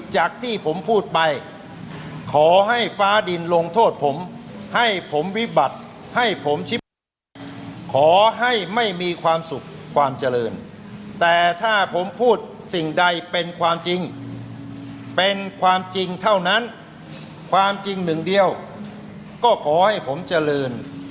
จริงใดเป็นความจริงเป็นความจริงเท่านั้นความจริงหนึ่งเดียวก็ขอให้ผมเจริญ